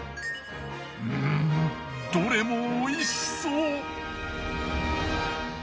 うんどれもおいしそう。